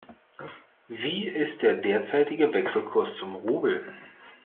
Wie ist der derzeitige Wechselkurs zum Rubel?